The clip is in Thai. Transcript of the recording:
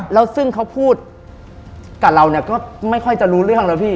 แล้วซึ่งเขาพูดกับเราเนี่ยก็ไม่ค่อยจะรู้เรื่องแล้วพี่